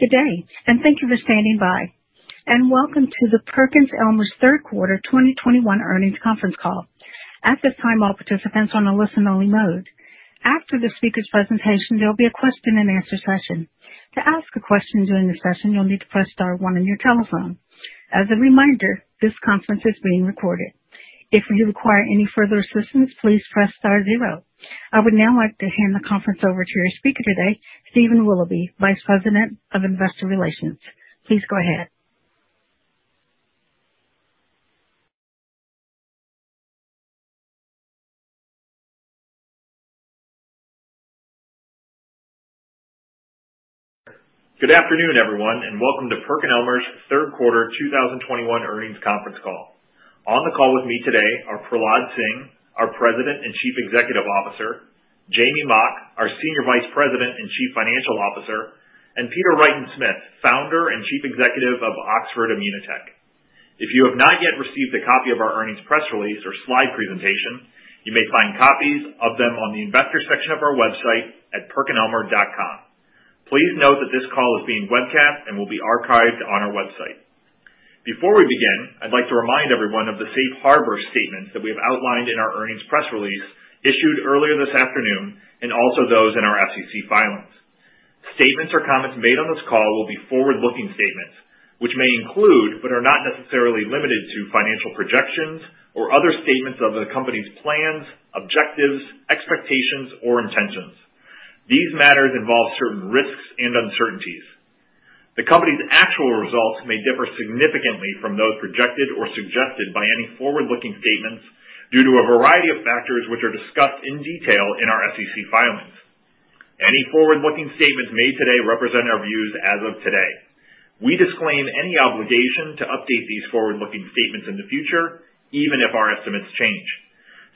Good day, and thank you for standing by. Welcome to the PerkinElmer's 3rd quarter 2021 earnings conference call. At this time, all participants are on a listen-only mode. After the speaker's presentation, there'll be a question and answer session. To ask a question during the session, you'll need to press star 1 on your telephone. As a reminder, this conference is being recorded. If you require any further assistance, please press star 0. I would now like to hand the conference over to your speaker today, Stephen Willoughby, Vice President of Investor Relations. Please go ahead. Good afternoon, everyone, and welcome to PerkinElmer's 3rd quarter 2021 earnings conference call. On the call with me today are Prahlad Singh, our President and Chief Executive Officer, Jamey Mock, our Senior Vice President and Chief Financial Officer, and Peter Wrighton-Smith, Founder and Chief Executive of Oxford Immunotec. If you have not yet received a copy of our earnings press release or slide presentation, you may find copies of them on the investor section of our website at perkinelmer.com. Please note that this call is being webcast and will be archived on our website. Before we begin, I'd like to remind everyone of the safe harbor statements that we have outlined in our earnings press release issued earlier this afternoon, and also those in our SEC filings. Statements or comments made on this call will be forward-looking statements, which may include, but are not necessarily limited to financial projections or other statements of the company's plans, objectives, expectations, or intentions. These matters involve certain risks and uncertainties. The company's actual results may differ significantly from those projected or suggested by any forward-looking statements due to a variety of factors, which are discussed in detail in our SEC filings. Any forward-looking statements made today represent our views as of today. We disclaim any obligation to update these forward-looking statements in the future, even if our estimates change.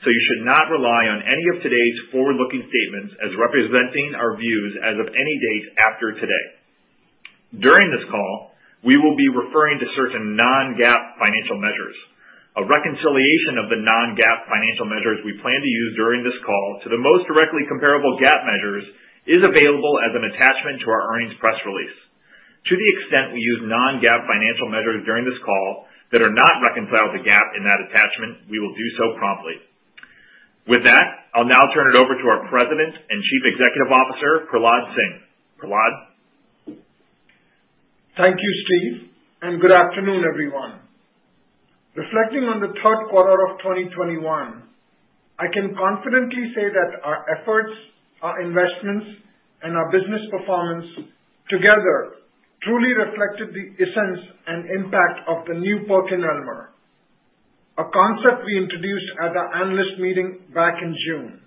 You should not rely on any of today's forward-looking statements as representing our views as of any date after today. During this call, we will be referring to certain non-GAAP financial measures. A reconciliation of the non-GAAP financial measures we plan to use during this call to the most directly comparable GAAP measures is available as an attachment to our earnings press release. To the extent we use non-GAAP financial measures during this call that are not reconciled to GAAP in that attachment, we will do so promptly. With that, I'll now turn it over to our President and Chief Executive Officer, Prahlad Singh. Prahlad. Thank you, Steve, and good afternoon, everyone. Reflecting on the 3rd quarter of 2021, I can confidently say that our efforts, our investments, and our business performance together truly reflected the essence and impact of the new PerkinElmer, a concept we introduced at our analyst meeting back in June.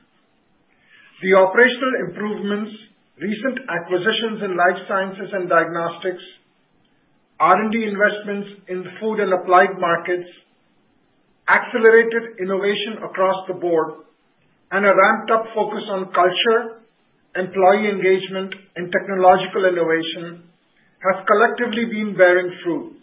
The operational improvements, recent acquisitions in life sciences and diagnostics, R&D investments in the food and applied markets, accelerated innovation across the board, and a ramped-up focus on culture, employee engagement, and technological innovation has collectively been bearing fruit.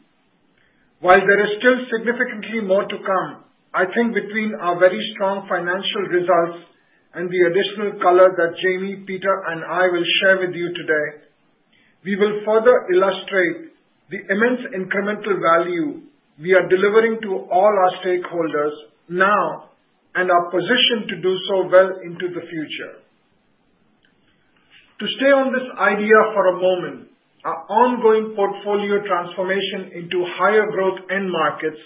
While there is still significantly more to come, I think between our very strong financial results and the additional color that Jamey, Peter, and I will share with you today, we will further illustrate the immense incremental value we are delivering to all our stakeholders now and are positioned to do so well into the future. To stay on this idea for a moment, our ongoing portfolio transformation into higher growth end markets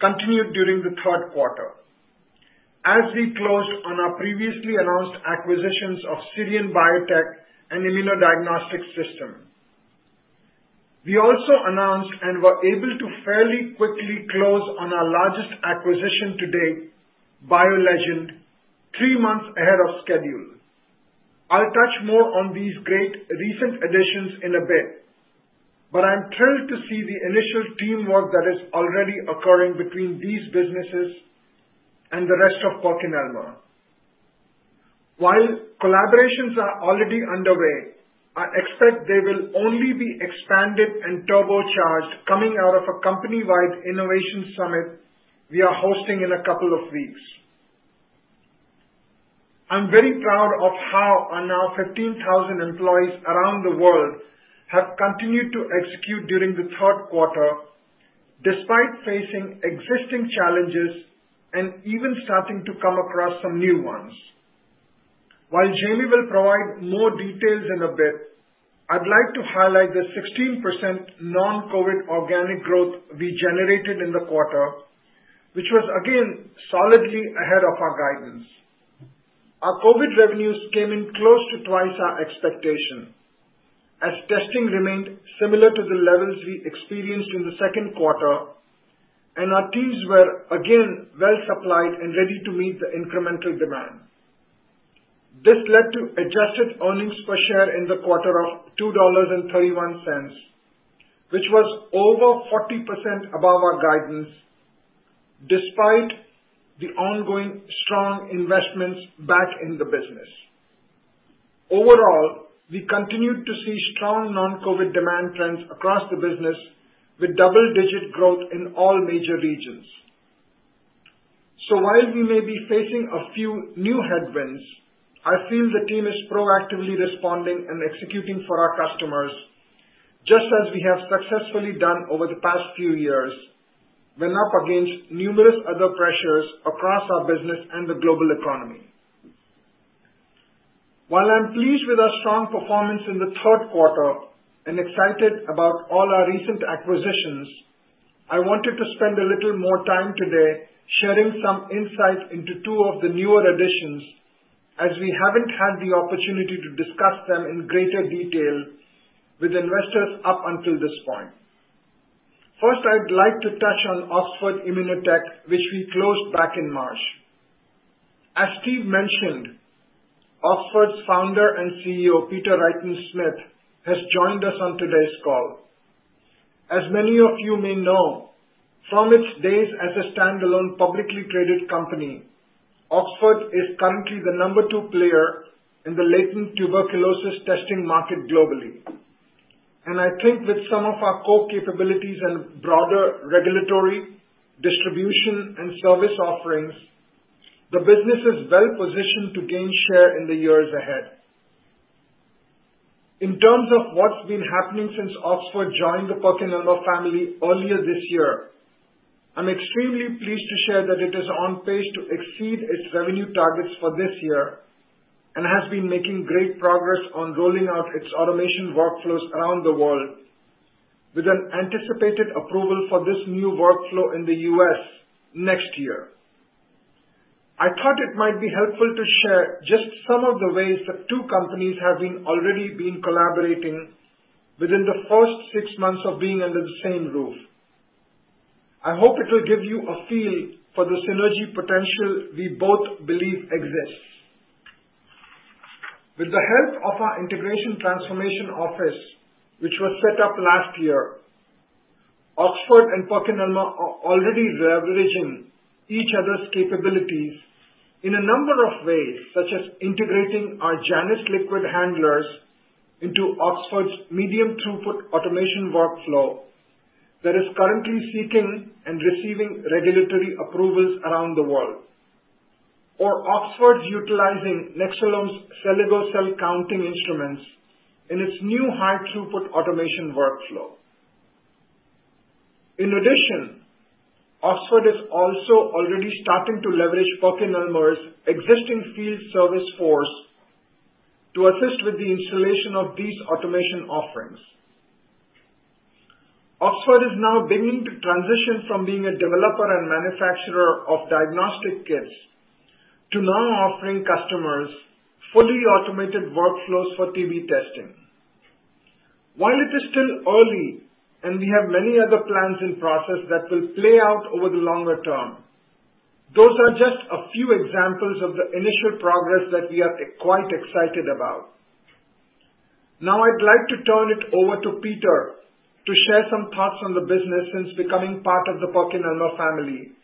continued during the 3rd quarter as we closed on our previously announced acquisitions of SIRION Biotech and ImmunoDiagnostic Systems (IDS). We also announced and were able to fairly quickly close on our largest acquisition to date, BioLegend, 3 months ahead of schedule. I'll touch more on these great recent additions in a bit, but I'm thrilled to see the initial teamwork that is already occurring between these businesses and the rest of PerkinElmer. While collaborations are already underway, I expect they will only be expanded and turbocharged coming out of a company-wide innovation summit we are hosting in a couple of weeks. I'm very proud of how our now 15,000 employees around the world have continued to execute during the 3rd quarter, despite facing existing challenges and even starting to come across some new ones. While Jamey will provide more details in a bit, I'd like to highlight the 16% non-COVID organic growth we generated in the quarter, which was again solidly ahead of our guidance. Our COVID revenues came in close to twice our expectation as testing remained similar to the levels we experienced in the second quarter, and our teams were again well supplied and ready to meet the incremental demand. This led to adjusted earnings per share in the quarter of $2.31, which was over 40% above our guidance despite the ongoing strong investments back in the business. Overall, we continued to see strong non-COVID demand trends across the business with double-digit growth in all major regions. While we may be facing a few new headwinds, I feel the team is proactively responding and executing for our customers, just as we have successfully done over the past few years when up against numerous other pressures across our business and the global economy. While I'm pleased with our strong performance in the 3rd quarter and excited about all our recent acquisitions, I wanted to spend a little more time today sharing some insights into two of the newer additions as we haven't had the opportunity to discuss them in greater detail with investors up until this point. First, I'd like to touch on Oxford Immunotec, which we closed back in March. As Steve mentioned, Oxford's Founder and CEO, Peter Wrighton-Smith, has joined us on today's call. As many of you may know, from its days as a standalone, publicly traded company, Oxford is currently the number two player in the latent tuberculosis testing market globally. I think with some of our core capabilities and broader regulatory distribution and service offerings, the business is well-positioned to gain share in the years ahead. In terms of what's been happening since Oxford joined the PerkinElmer family earlier this year, I'm extremely pleased to share that it is on pace to exceed its revenue targets for this year and has been making great progress on rolling out its automation workflows around the world with an anticipated approval for this new workflow in the U.S. next year. I thought it might be helpful to share just some of the ways the two companies have been already collaborating within the first 6 months of being under the same roof. I hope it'll give you a feel for the synergy potential we both believe exists. With the help of our integration transformation office, which was set up last year, Oxford and PerkinElmer are already leveraging each other's capabilities in a number of ways, such as integrating our JANUS liquid handlers into Oxford's medium throughput automation workflow that is currently seeking and receiving regulatory approvals around the world. Oxford's utilizing Nexcelom's Celigo cell counting instruments in its new high throughput automation workflow. In addition, Oxford is also already starting to leverage PerkinElmer's existing field service force to assist with the installation of these automation offerings. Oxford is now beginning to transition from being a developer and manufacturer of diagnostic kits to now offering customers fully automated workflows for TB testing. While it is still early and we have many other plans in process that will play out over the longer term, those are just a few examples of the initial progress that we are quite excited about. Now I'd like to turn it over to Peter to share some thoughts on the business since becoming part of the PerkinElmer family,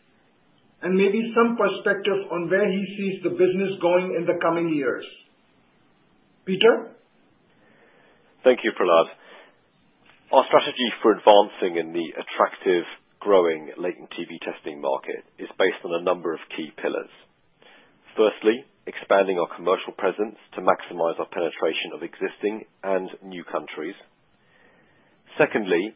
and maybe some perspective on where he sees the business going in the coming years. Peter? Thank you, Prahlad. Our strategy for advancing in the attractive, growing latent TB testing market is based on a number of key pillars. Firstly, expanding our commercial presence to maximize our penetration of existing and new countries. Secondly,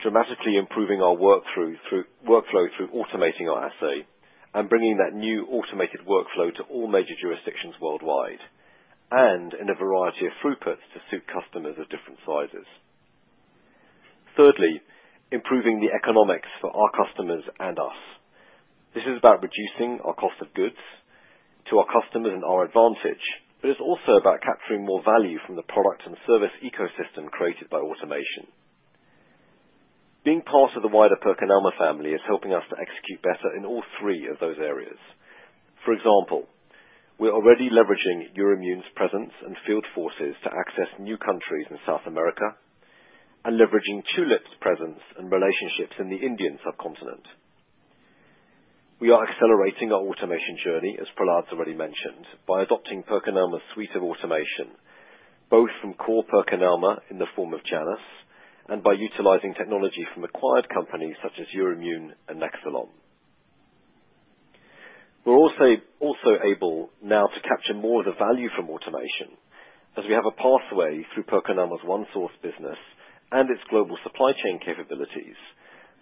dramatically improving our workflow through automating our assay and bringing that new automated workflow to all major jurisdictions worldwide and in a variety of throughputs to suit customers of different sizes. Thirdly, improving the economics for our customers and us. This is about reducing our cost of goods to our customers and our advantage, but it's also about capturing more value from the product and service ecosystem created by automation. Being part of the wider PerkinElmer family is helping us to execute better in all 3 of those areas. For example, we're already leveraging EUROIMMUN's presence and field forces to access new countries in South America and leveraging Tulip's presence and relationships in the Indian subcontinent. We are accelerating our automation journey, as Prahlad's already mentioned, by adopting PerkinElmer's suite of automation, both from core PerkinElmer in the form of JANUS and by utilizing technology from acquired companies such as EUROIMMUN and Nexcelom. We're also able now to capture more of the value from automation as we have a pathway through PerkinElmer's OneSource business and its global supply chain capabilities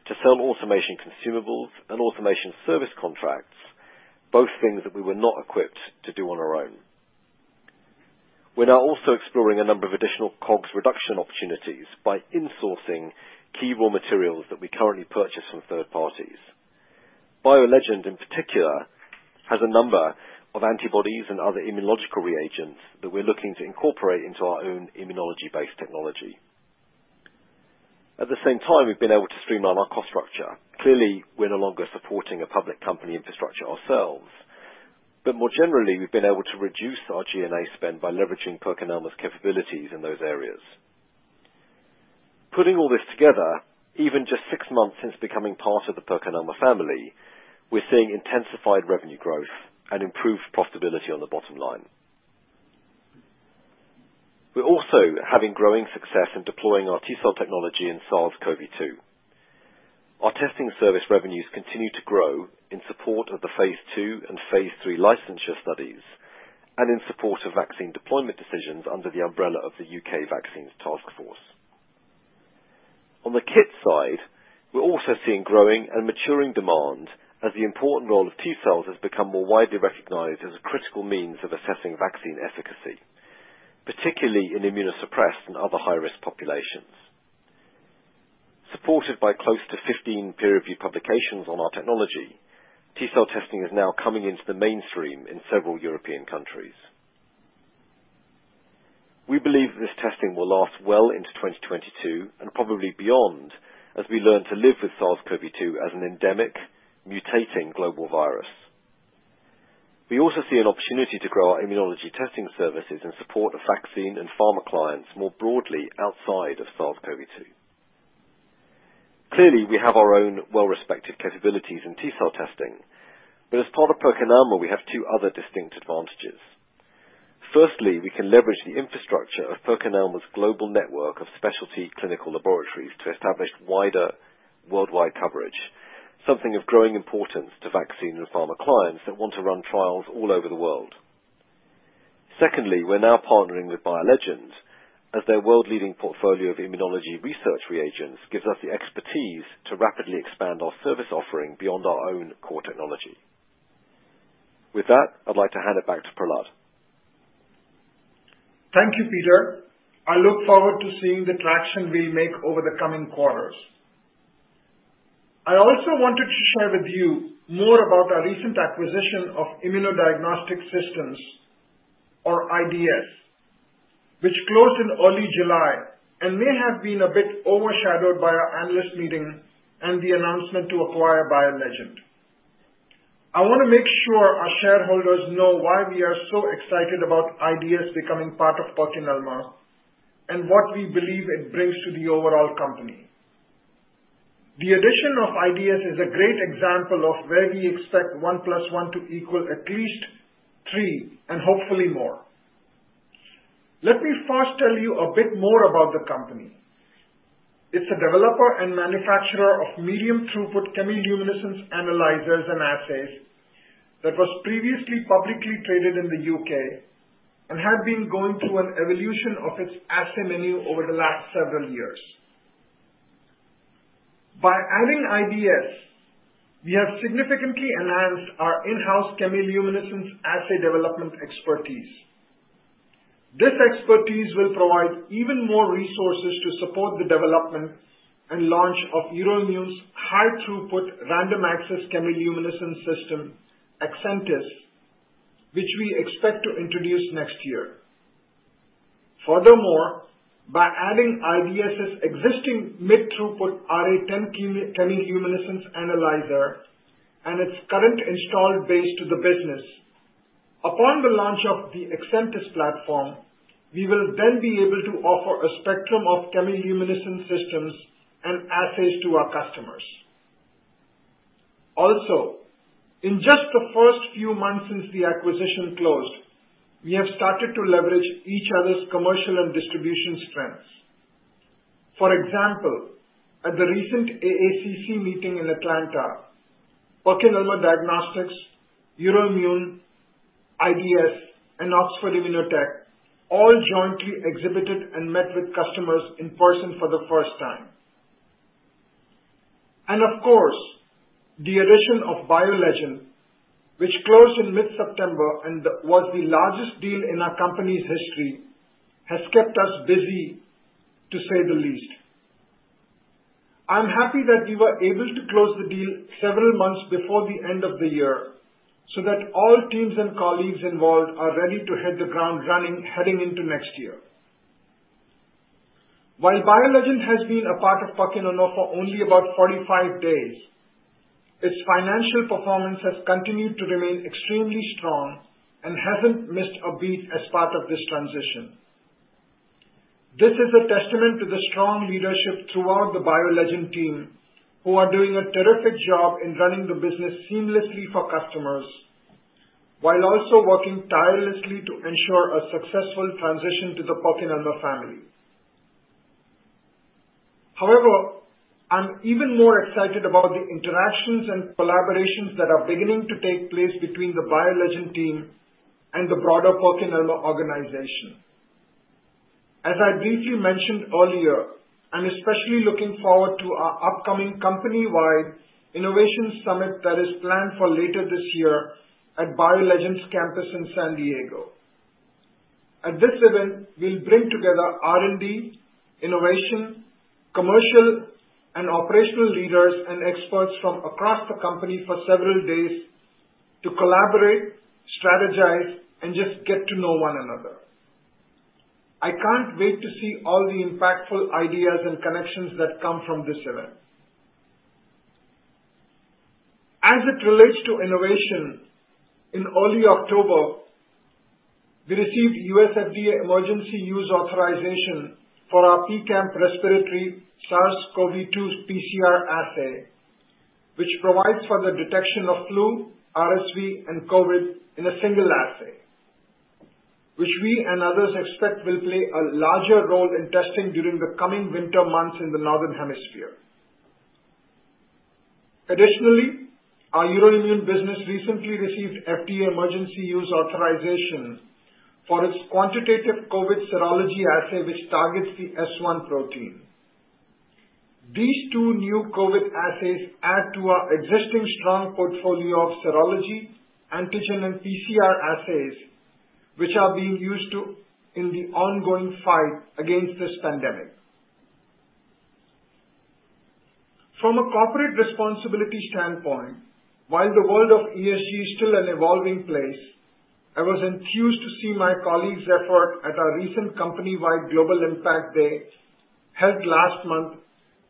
to sell automation consumables and automation service contracts, both things that we were not equipped to do on our own. We're now also exploring a number of additional cost reduction opportunities by insourcing key raw materials that we currently purchase from third parties. BioLegend, in particular, has a number of antibodies and other immunological reagents that we're looking to incorporate into our own immunology-based technology. At the same time, we've been able to streamline our cost structure. Clearly, we're no longer supporting a public company infrastructure ourselves. More generally, we've been able to reduce our G&A spend by leveraging PerkinElmer's capabilities in those areas. Putting all this together, even just 6 months since becoming part of the PerkinElmer family, we're seeing intensified revenue growth and improved profitability on the bottom line. We're also having growing success in deploying our T-cell technology in SARS-CoV-2. Our testing service revenues continue to grow in support of the Phase II and Phase III licensure studies and in support of vaccine deployment decisions under the umbrella of the U.K. Vaccine Taskforce. On the kit side, we're also seeing growing and maturing demand as the important role of T-cells has become more widely recognized as a critical means of assessing vaccine efficacy, particularly in immunosuppressed and other high-risk populations. Supported by close to 15 peer-reviewed publications on our technology, T-cell testing is now coming into the mainstream in several European countries. We believe this testing will last well into 2022 and probably beyond, as we learn to live with SARS-CoV-2 as an endemic, mutating global virus. We also see an opportunity to grow our immunology testing services and support the vaccine and pharma clients more broadly outside of SARS-CoV-2. Clearly, we have our own well-respected capabilities in T-cell testing, but as part of PerkinElmer, we have two other distinct advantages. Firstly, we can leverage the infrastructure of PerkinElmer's global network of specialty clinical laboratories to establish wider worldwide coverage, something of growing importance to vaccine and pharma clients that want to run trials all over the world. Secondly, we're now partnering with BioLegend as their world-leading portfolio of immunology research reagents gives us the expertise to rapidly expand our service offering beyond our own core technology. With that, I'd like to hand it back to Prahlad. Thank you, Peter. I look forward to seeing the traction we make over the coming quarters. I also wanted to share with you more about our recent acquisition of ImmunoDiagnostic Systems or IDS, which closed in early July and may have been a bit overshadowed by our analyst meeting and the announcement to acquire BioLegend. I wanna make sure our shareholders know why we are so excited about IDS becoming part of PerkinElmer and what we believe it brings to the overall company. The addition of IDS is a great example of where we expect one plus one to equal at least 3 and hopefully more. Let me first tell you a bit more about the company. It's a developer and manufacturer of medium throughput chemiluminescence analyzers and assays that was previously publicly traded in the U.K. and had been going through an evolution of its assay menu over the last several years. By adding IDS, we have significantly enhanced our in-house chemiluminescence assay development expertise. This expertise will provide even more resources to support the development and launch of EUROIMMUN's high throughput random access chemiluminescence system, Exentis, which we expect to introduce next year. Furthermore, by adding IDS' existing mid-throughput i-10 chemiluminescence analyzer and its current installed base to the business, upon the launch of the Exentis platform, we will then be able to offer a spectrum of chemiluminescence systems and assays to our customers. Also, in just the first few months since the acquisition closed, we have started to leverage each other's commercial and distribution strengths. For example, at the recent AACC meeting in Atlanta, PerkinElmer Diagnostics, EUROIMMUN, IDS, and Oxford Immunotec all jointly exhibited and met with customers in person for the first time. Of course, the addition of BioLegend, which closed in mid-September and was the largest deal in our company's history, has kept us busy, to say the least. I'm happy that we were able to close the deal several months before the end of the year, so that all teams and colleagues involved are ready to hit the ground running heading into next year. While BioLegend has been a part of PerkinElmer for only about 45 days, its financial performance has continued to remain extremely strong and hasn't missed a beat as part of this transition. This is a testament to the strong leadership throughout the BioLegend team, who are doing a terrific job in running the business seamlessly for customers, while also working tirelessly to ensure a successful transition to the PerkinElmer family. However, I'm even more excited about the interactions and collaborations that are beginning to take place between the BioLegend team and the broader PerkinElmer organization. As I briefly mentioned earlier, I'm especially looking forward to our upcoming company-wide innovation summit that is planned for later this year at BioLegend's campus in San Diego. At this event, we'll bring together R&D, innovation, commercial, and operational leaders and experts from across the company for several days to collaborate, strategize, and just get to know one another. I can't wait to see all the impactful ideas and connections that come from this event. As it relates to innovation, in early October, we received U.S. FDA Emergency Use Authorization for our PKamp respiratory SARS-CoV-2 PCR assay, which provides for the detection of flu, RSV, and COVID in a single assay, which we and others expect will play a larger role in testing during the coming winter months in the Northern Hemisphere. Additionally, our EUROIMMUN business recently received FDA Emergency Use Authorization for its quantitative COVID serology assay, which targets the S1 protein. These two new COVID assays add to our existing strong portfolio of serology, antigen, and PCR assays, which are being used in the ongoing fight against this pandemic. From a corporate responsibility standpoint, while the world of ESG is still an evolving place, I was enthused to see my colleagues' effort at our recent company-wide Global Impact Day held last month,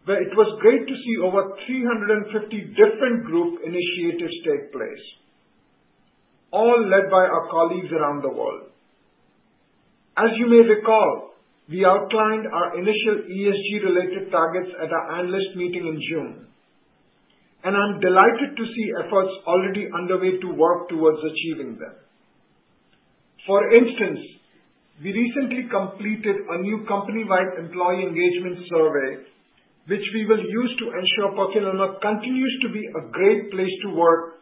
where it was great to see over 350 different group initiatives take place, all led by our colleagues around the world. As you may recall, we outlined our initial ESG-related targets at our analyst meeting in June, and I'm delighted to see efforts already underway to work towards achieving them. For instance, we recently completed a new company-wide employee engagement survey, which we will use to ensure PerkinElmer continues to be a great place to work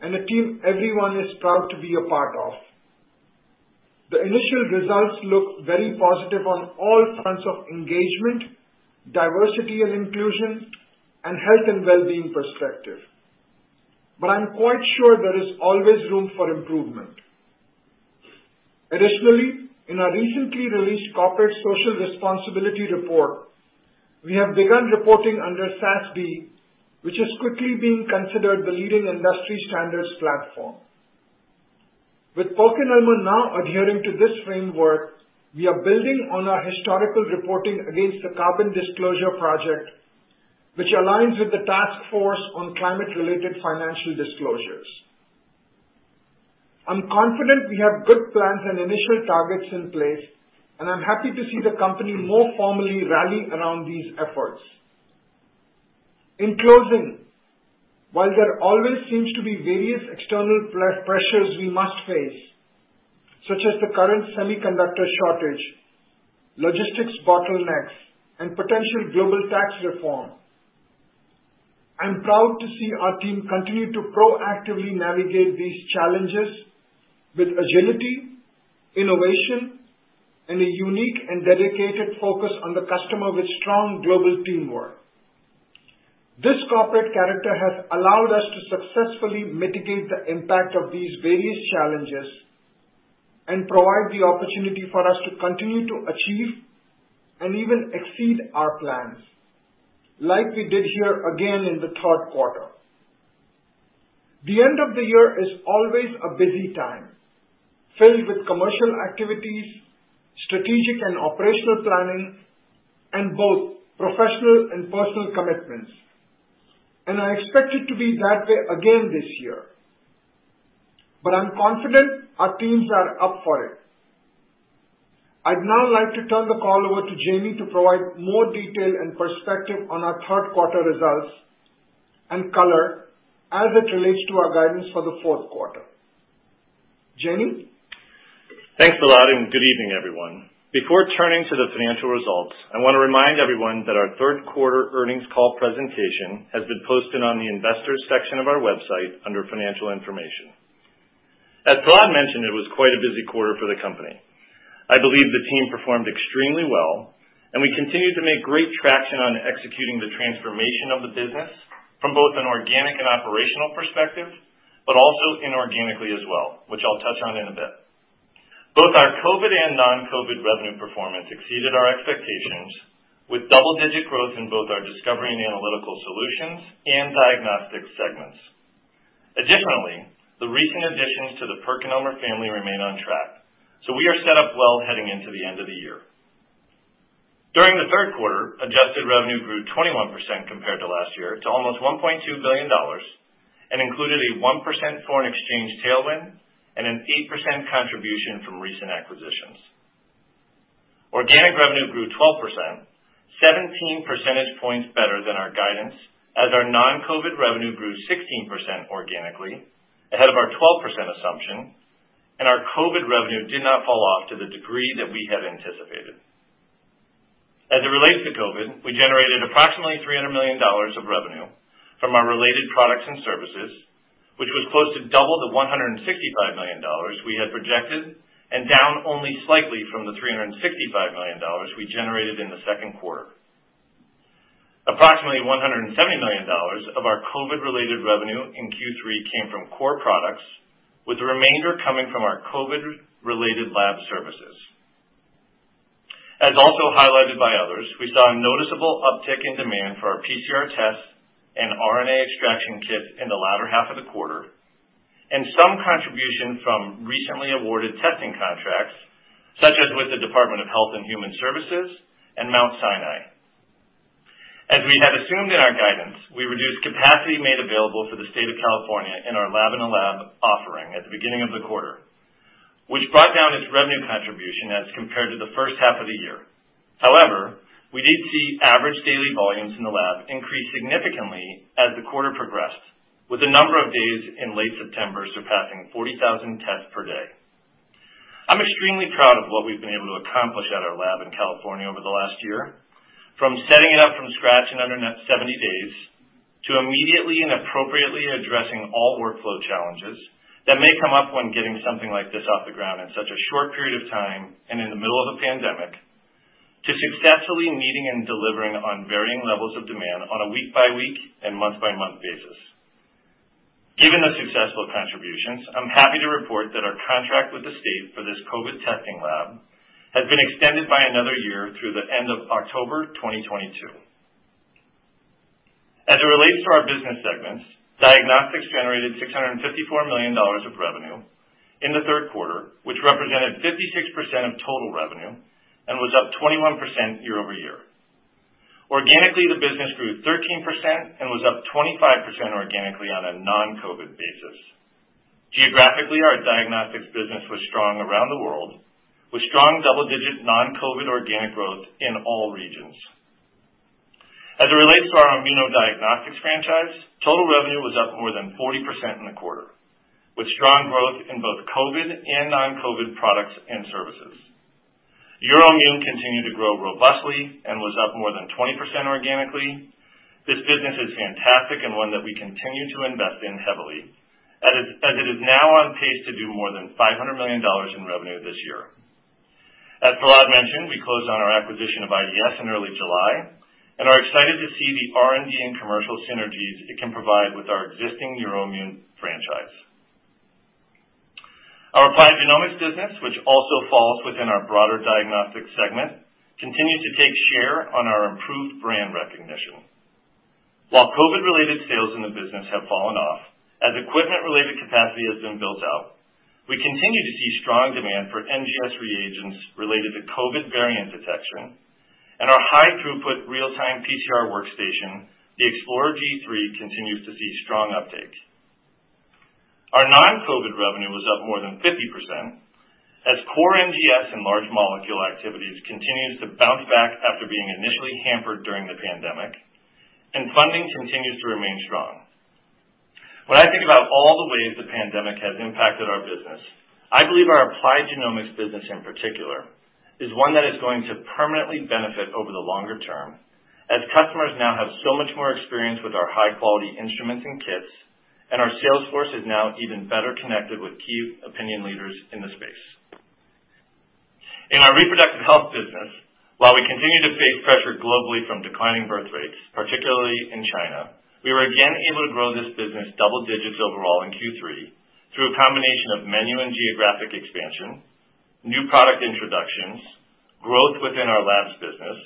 and a team everyone is proud to be a part of. The initial results look very positive on all fronts of engagement, diversity and inclusion, and health and wellbeing perspective, but I'm quite sure there is always room for improvement. Additionally, in our recently released corporate social responsibility report, we have begun reporting under SASB, which is quickly being considered the leading industry standards platform. With PerkinElmer now adhering to this framework, we are building on our historical reporting against the Carbon Disclosure Project, which aligns with the task force on climate-related financial disclosures. I'm confident we have good plans and initial targets in place, and I'm happy to see the company more formally rally around these efforts. In closing, while there always seems to be various external pressures we must face, such as the current semiconductor shortage, logistics bottlenecks, and potential global tax reform, I'm proud to see our team continue to proactively navigate these challenges with agility, innovation, and a unique and dedicated focus on the customer with strong global teamwork. This corporate character has allowed us to successfully mitigate the impact of these various challenges and provide the opportunity for us to continue to achieve and even exceed our plans like we did here again in the 3rd quarter. The end of the year is always a busy time, filled with commercial activities, strategic and operational planning, and both professional and personal commitments. I expect it to be that way again this year. I'm confident our teams are up for it. I'd now like to turn the call over to Jamey to provide more detail and perspective on our 3rd quarter results and color as it relates to our guidance for the 4th quarter. Jamey? Thanks, Prahlad. Good evening, everyone. Before turning to the financial results, I wanna remind everyone that our 3rd quarter earnings call presentation has been posted on the investors section of our website under financial information. As Prahlad mentioned, it was quite a busy quarter for the company. I believe the team performed extremely well, and we continue to make great traction on executing the transformation of the business from both an organic and operational perspective, but also inorganically as well, which I'll touch on in a bit. Both our COVID and non-COVID revenue performance exceeded our expectations, with double-digit growth in both our discovery and analytical solutions and diagnostics segments. Additionally, the recent additions to the PerkinElmer family remain on track, so we are set up well heading into the end of the year. During the 3rd quarter, adjusted revenue grew 21% compared to last year to almost $1.2 billion and included a 1% foreign exchange tailwind and an 8% contribution from recent acquisitions. Organic revenue grew 12%, 17 percentage points better than our guidance, as our non-COVID revenue grew 16% organically, ahead of our 12% assumption, and our COVID revenue did not fall off to the degree that we had anticipated. As it relates to COVID, we generated approximately $300 million of revenue from our related products and services, which was close to double the $165 million we had projected and down only slightly from the $365 million we generated in the 2nd quarter. Approximately $170 million of our COVID-related revenue in Q3 came from core products, with the remainder coming from our COVID-related lab services. As also highlighted by others, we saw a noticeable uptick in demand for our PCR tests and RNA extraction kit in the latter half of the quarter, and some contribution from recently awarded testing contracts, such as with the U.S. Department of Health and Human Services and Mount Sinai. As we had assumed in our guidance, we reduced capacity made available for the state of California in our Lab-in-a-Lab offering at the beginning of the quarter, which brought down its revenue contribution as compared to the first half of the year. However, we did see average daily volumes in the lab increase significantly as the quarter progressed, with a number of days in late September surpassing 40,000 tests per day. I'm extremely proud of what we've been able to accomplish at our lab in California over the last year. From setting it up from scratch in under ninety days, to immediately and appropriately addressing all workflow challenges that may come up when getting something like this off the ground in such a short period of time and in the middle of a pandemic, to successfully meeting and delivering on varying levels of demand on a week-by-week and month-by-month basis. Given the successful contributions, I'm happy to report that our contract with the state for this COVID testing lab has been extended by another year through the end of October 2022. As it relates to our business segments, Diagnostics generated $654 million of revenue in the 3rd quarter, which represented 56% of total revenue and was up 21% year-over-year. Organically, the business grew 13% and was up 25% organically on a non-COVID basis. Geographically, our diagnostics business was strong around the world, with strong double-digit non-COVID organic growth in all regions. As it relates to our immunodiagnostics franchise, total revenue was up more than 40% in the quarter, with strong growth in both COVID and non-COVID products and services. EUROIMMUN continued to grow robustly and was up more than 20% organically. This business is fantastic and one that we continue to invest in heavily, as it is now on pace to do more than $500 million in revenue this year. As Prahlad mentioned, we closed on our acquisition of IDS in early July and are excited to see the R&D and commercial synergies it can provide with our existing EUROIMMUN franchise. Our Applied Genomics business, which also falls within our broader Diagnostics segment, continues to take share on our improved brand recognition. While COVID-related sales in the business have fallen off, as equipment-related capacity has been built out, we continue to see strong demand for NGS reagents related to COVID variant detection. Our high throughput real-time PCR workstation, the explorer G3, continues to see strong uptake. Our non-COVID revenue was up more than 50% as core NGS and large molecule activities continues to bounce back after being initially hampered during the pandemic, and funding continues to remain strong. When I think about all the ways the pandemic has impacted our business, I believe our Applied Genomics business in particular is one that is going to permanently benefit over the longer term as customers now have so much more experience with our high-quality instruments and kits, and our sales force is now even better connected with key opinion leaders in the space. In our reproductive health business, while we continue to face pressure globally from declining birth rates, particularly in China, we were again able to grow this business double digits overall in Q3 through a combination of menu and geographic expansion, new product introductions, growth within our labs business,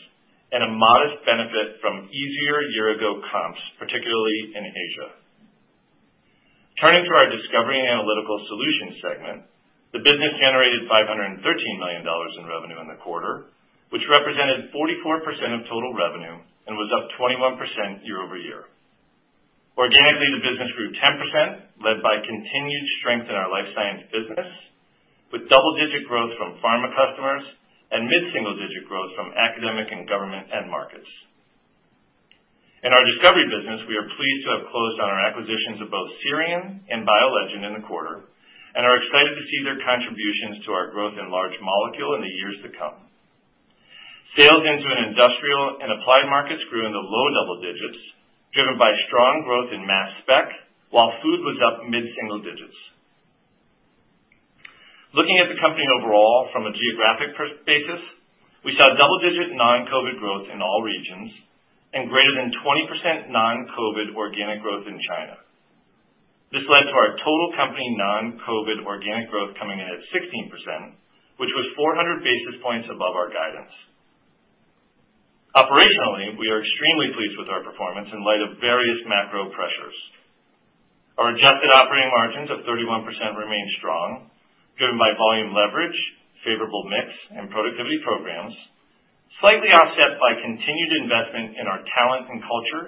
and a modest benefit from easier year-ago comps, particularly in Asia. Turning to our Discovery and Analytical Solutions segment, the business generated $513 million in revenue in the quarter, which represented 44% of total revenue and was up 21% year-over-year. Organically, the business grew 10%, led by continued strength in our life science business, with double-digit growth from pharma customers and mid-single digit growth from academic and government end markets. In our discovery business, we are pleased to have closed on our acquisitions of both Cerno and BioLegend in the quarter and are excited to see their contributions to our growth in large molecule in the years to come. Sales into an industrial and applied markets grew in the low double digits, driven by strong growth in mass spec, while food was up mid-single digits. Looking at the company overall from a geographic perspective, we saw double-digit non-COVID growth in all regions and greater than 20% non-COVID organic growth in China. This led to our total company non-COVID organic growth coming in at 16%, which was 400 basis points above our guidance. Operationally, we are extremely pleased with our performance in light of various macro pressures. Our adjusted operating margins of 31% remain strong, driven by volume leverage, favorable mix, and productivity programs, slightly offset by continued investment in our talent and culture,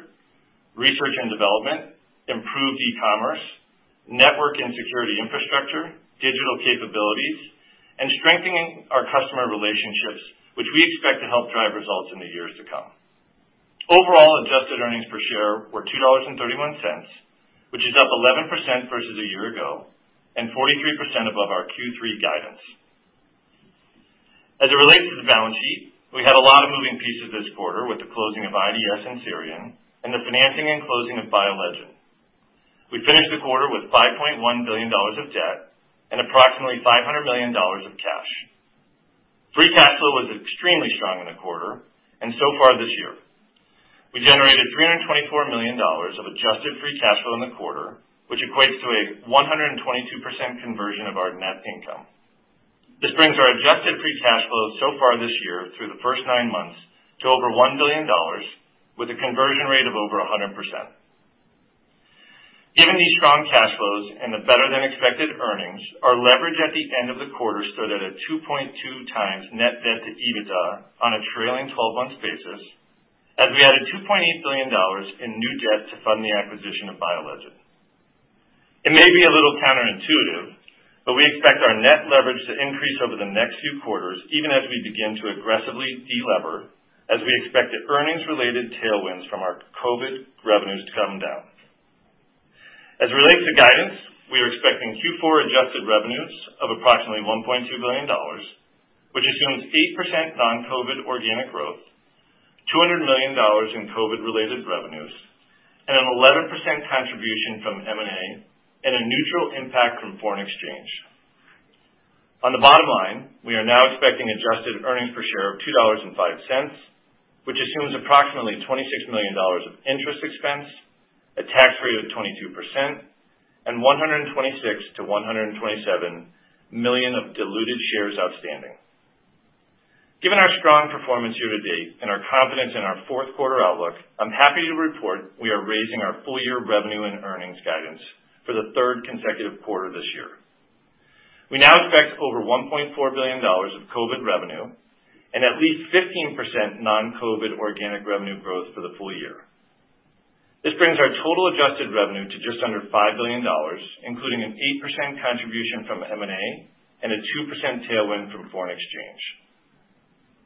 research and development, improved e-commerce, network and security infrastructure, digital capabilities, and strengthening our customer relationships, which we expect to help drive results in the years to come. Overall adjusted earnings per share were $2.31, which is up 11% versus a year ago and 43% above our Q3 guidance. As it relates to the balance sheet, we had a lot of moving pieces this quarter with the closing of IDS and Cerno and the financing and closing of BioLegend. We finished the quarter with $5.1 billion of debt and approximately $500 million of cash. Free cash flow was extremely strong in the quarter and so far this year. We generated $324 million of adjusted free cash flow in the quarter, which equates to a 122% conversion of our net income. This brings our adjusted free cash flow so far this year through the first nine months to over $1 billion with a conversion rate of over 100%. Given these strong cash flows and the better-than-expected earnings, our leverage at the end of the quarter. The 2.2 times net debt to EBITDA on a trailing twelve months basis as we added $2.8 billion in new debt to fund the acquisition of BioLegend. It may be a little counterintuitive, but we expect our net leverage to increase over the next few quarters, even as we begin to aggressively delever, as we expect the earnings related tailwinds from our COVID revenues to come down. As it relates to guidance, we are expecting Q4 adjusted revenues of approximately $1.2 billion, which assumes 8% non-COVID organic growth, $200 million in COVID-related revenues, and an 11% contribution from M&A, and a neutral impact from foreign exchange. On the bottom line, we are now expecting adjusted earnings per share of $2.05, which assumes approximately $26 million of interest expense, a tax rate of 22%, and 126 million-127 million of diluted shares outstanding. Given our strong performance year to date and our confidence in our 4th quarter outlook, I'm happy to report we are raising our full year revenue and earnings guidance for the 3rd consecutive quarter this year. We now expect over $1.4 billion of COVID revenue and at least 15% non-COVID organic revenue growth for the full year. This brings our total adjusted revenue to just under $5 billion, including an 8% contribution from M&A and a 2% tailwind from foreign exchange.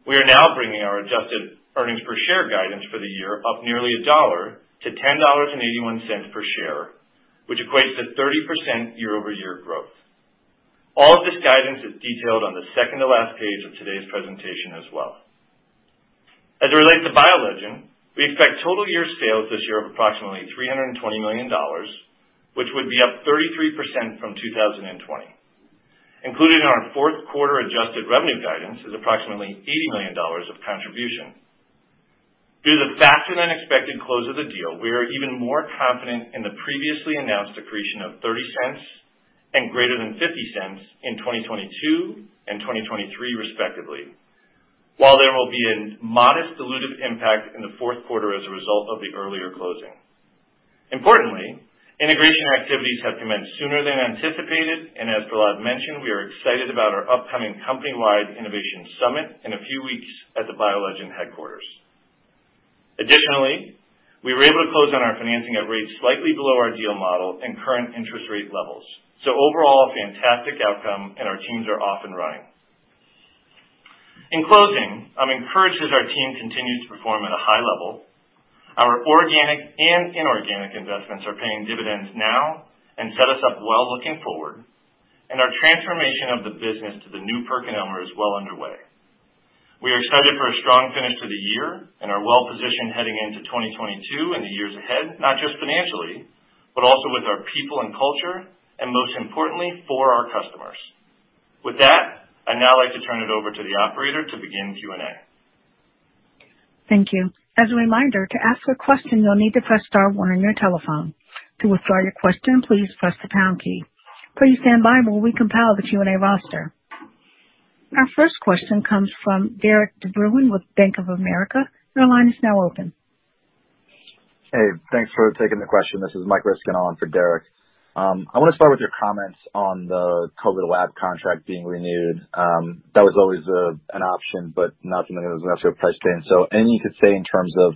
We are now bringing our adjusted earnings per share guidance for the year up nearly a dollar to $10.81 per share, which equates to 30% year-over-year growth. All of this guidance is detailed on the second to last page of today's presentation as well. As it relates to BioLegend, we expect total year sales this year of approximately $320 million, which would be up 33% from 2020. Included in our 4th quarter adjusted revenue guidance is approximately $80 million of contribution. Due to the faster than expected close of the deal, we are even more confident in the previously announced accretion of $0.30 and greater than $0.50 in 2022 and 2023 respectively. While there will be a modest dilutive impact in the 4th quarter as a result of the earlier closing. Importantly, integration activities have commenced sooner than anticipated, and as Prahlad mentioned, we are excited about our upcoming company-wide innovation summit in a few weeks at the BioLegend headquarters. Additionally, we were able to close on our financing at rates slightly below our deal model and current interest rate levels. Overall a fantastic outcome and our teams are off and running. In closing, I'm encouraged as our team continues to perform at a high level. Our organic and inorganic investments are paying dividends now and set us up well looking forward, and our transformation of the business to the new PerkinElmer is well underway. We are excited for a strong finish to the year and are well positioned heading into 2022 and the years ahead, not just financially, but also with our people and culture, and most importantly, for our customers. With that, I'd now like to turn it over to the operator to begin Q&A. Thank you. As a reminder, to ask a question, you'll need to press star 1 on your telephone. To withdraw your question, please press the pound key. Please stand by while we compile the Q&A roster. Our first question comes from Derik De Bruin with Bank of America. Your line is now open. Hey, thanks for taking the question. This is Michael Ryskin on for Derik De Bruin. I wanna start with your comments on the COVID lab contract being renewed. That was always an option, but not something that was necessarily priced in. Anything you could say in terms of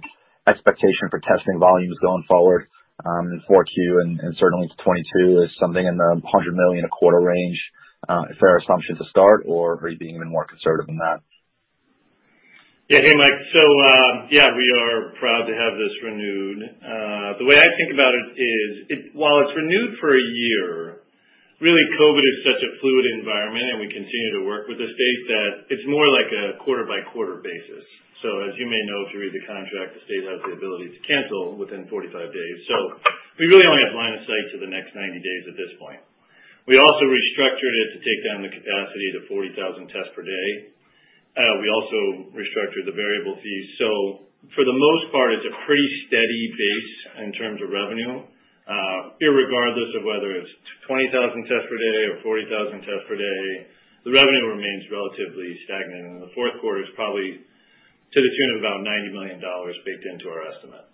expectation for testing volumes going forward, in Q4 and certainly into 2022 is something in the 100 million a quarter range, a fair assumption to start, or are you being even more conservative than that? Hey, Michael Ryskin. We are proud to have this renewed. The way I think about it is, while it's renewed for a year, really COVID is such a fluid environment, and we continue to work with the state that it's more like a quarter by quarter basis. As you may know, if you read the contract, the state has the ability to cancel within 45 days. We really only have line of sight to the next 90 days at this point. We also restructured it to take down the capacity to 40,000 tests per day. We also restructured the variable fees. For the most part, it's a pretty steady base in terms of revenue. Irregardless of whether it's 20,000 tests per day or 40,000 tests per day, the revenue remains relatively stagnant. In the 4th quarter, it's probably to the tune of about $90 million baked into our estimate.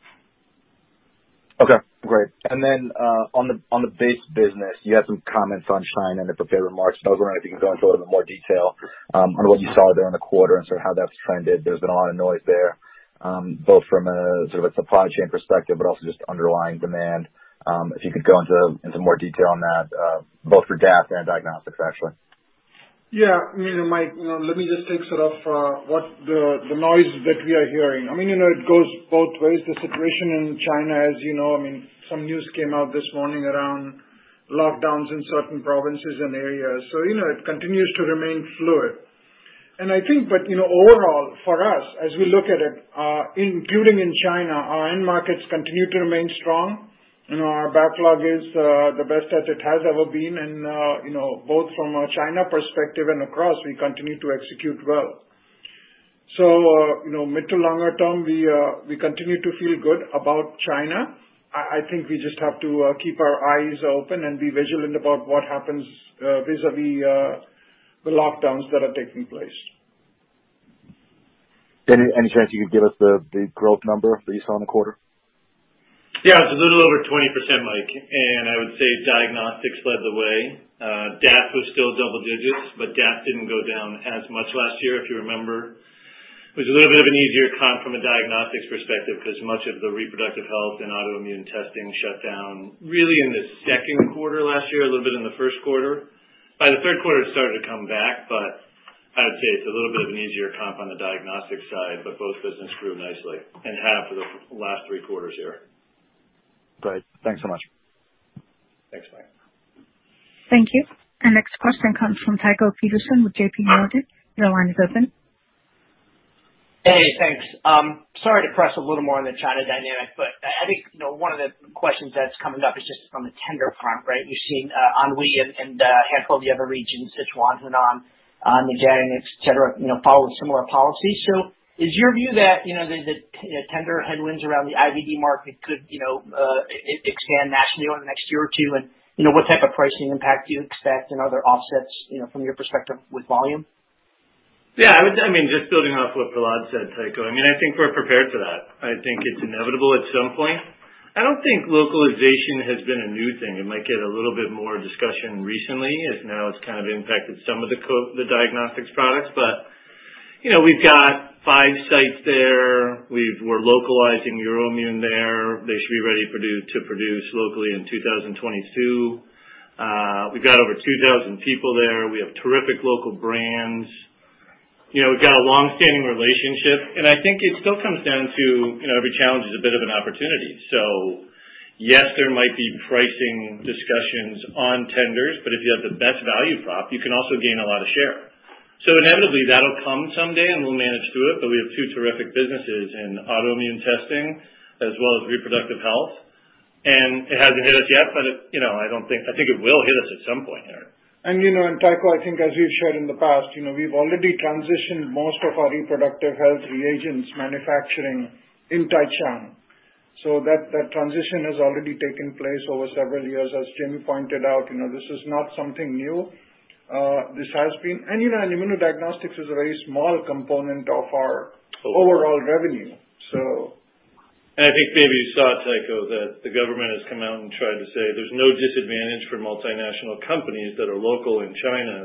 Okay. Great. Then, on the base business, you had some comments on China and the prepared remarks. I was wondering if you can go into a little bit more detail on what you saw there in the quarter and sort of how that's trended. There's been a lot of noise there, both from a sort of a supply chain perspective, but also just underlying demand. If you could go into more detail on that, both for DX and diagnostics, actually. Yeah. You know, Mike, you know, let me just take sort of what the noise that we are hearing. I mean, you know, it goes both ways. The situation in China, as you know, I mean, some news came out this morning around lockdowns in certain provinces and areas. You know, it continues to remain fluid. I think, but, you know, overall for us, as we look at it, including in China, our end markets continue to remain strong. You know, our backlog is the best that it has ever been. You know, both from a China perspective and across, we continue to execute well. You know, mid to longer term, we continue to feel good about China. I think we just have to keep our eyes open and be vigilant about what happens vis-a-vis the lockdowns that are taking place. Any chance you could give us the growth number that you saw in the quarter? Yeah. It's a little over 20%, Mike, and I would say Diagnostics led the way. Diagnostics was still double digits, but Diagnostics didn't go down as much last year, if you remember. It was a little bit of an easier comp from a Diagnostics perspective because much of the reproductive health and autoimmune testing shut down really in the 2nd quarter last year, a little bit in the 1st quarter. By the 3rd quarter, it started to come back, but I would say it's a little bit of an easier comp on the Diagnostics side, but both businesses grew nicely and have for the last 3 quarters here. Great. Thanks so much. Thanks, Mike. Thank you. Our next question comes from Tycho Peterson with JPMorgan. Your line is open. Hey, thanks. Sorry to press a little more on the China dynamic, but I think, you know, one of the questions that's coming up is just from the tender front, right? We've seen Anhui and a handful of the other regions, Sichuan, Henan, Zhejiang, et cetera, you know, follow similar policies. Is your view that, you know, the tender headwinds around the IVD market could, you know, expand nationally over the next year or 2? What type of pricing impact do you expect and other offsets, you know, from your perspective with volume? Yeah, I mean, just building off what Prahlad said, Tycho, I mean, I think we're prepared for that. I think it's inevitable at some point. I don't think localization has been a new thing. It might get a little bit more discussion recently, as now it's kind of impacted some of the the diagnostics products. But, you know, we've got five sites there. We're localizing EUROIMMUN there. They should be ready to produce locally in 2022. We've got over 2,000 people there. We have terrific local brands. You know, we've got a long-standing relationship. I think it still comes down to, you know, every challenge is a bit of an opportunity. Yes, there might be pricing discussions on tenders, but if you have the best value prop, you can also gain a lot of share. Inevitably that'll come someday, and we'll manage through it, but we have two terrific businesses in autoimmune testing as well as reproductive health. It hasn't hit us yet, but it, you know, I think it will hit us at some point here. Tycho, I think as we've shared in the past, you know, we've already transitioned most of our reproductive health reagents manufacturing in Taicang. That transition has already taken place over several years. As Jamey pointed out, you know, this is not something new, this has been. Immunodiagnostics is a very small component of our overall revenue, so. I think maybe you saw, Tycho, that the government has come out and tried to say there's no disadvantage for multinational companies that are local in China.